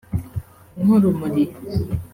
nk’urumuri